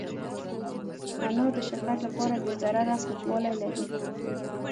انار د شکر لپاره بې ضرره خوږوالی لري.